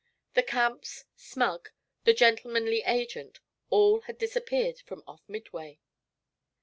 The Camps, Smug, the gentlemanly agent, all had disappeared from off Midway.